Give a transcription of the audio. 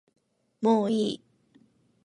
もういい